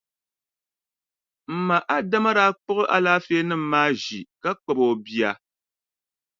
M ma Adama daa kpuɣi alaafeenima maa ʒi ka kpabi o bia.